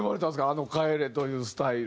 あの『帰れ』というスタイル。